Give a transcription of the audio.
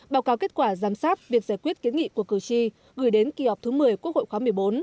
báo cáo kết quả giám sát việc giải quyết kiến nghị của cử tri gửi đến kỳ họp thứ một mươi quốc hội khóa một mươi bốn